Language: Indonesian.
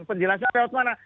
penjelasan lewat mana